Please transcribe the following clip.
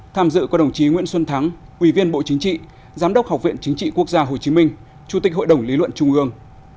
tham dự có đồng chí nguyễn xuân thắng quỳ viên bộ chính trị giám đốc học viện chính trị quốc gia hồ chí minh chủ tịch hội đồng lý luận trung ương